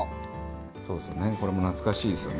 そうですね、これも懐かしいですよね。